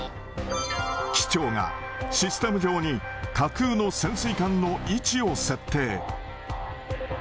機長がシステム上に架空の潜水艦の位置を設定。